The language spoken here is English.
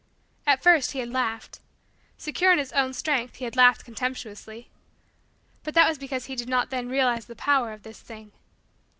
At first he had laughed secure in his own strength, he had laughed contemptuously. But that was because he did not then realize the power of this thing.